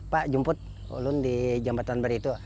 pak jemput di jambatan beritu